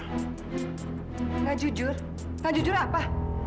tidak jujur nggak jujur apa